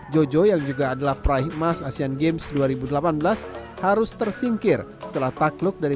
jojo yang juga adalah peraih emas asean games dua ribu delapan belas harus tersingkir setelah takluk dari